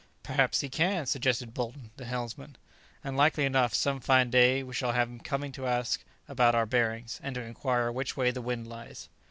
"Perhaps he can," suggested Bolton, the helmsman, "and likely enough some fine day we shall have him coming to ask about our bearings, and to inquire which way the wind lies."